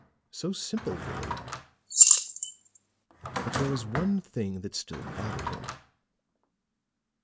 So simple, really. But there was one thing that still bothered him.